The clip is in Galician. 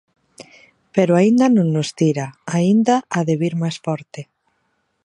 Pero aínda non nos tira, aínda ha de vir máis forte.